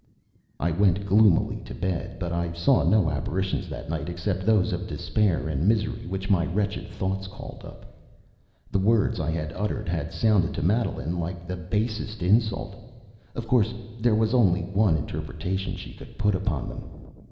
I went gloomily to bed, but I saw no apparitions that night except those of despair and misery which my wretched thoughts called up. The words I had uttered had sounded to Madeline like the basest insult. Of course, there was only one interpretation she could put upon them.